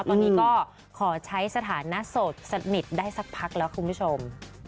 ตอนนี้ก็ขอใช้สถานะโสดสนิทได้สักพักแล้วคุณผู้ชม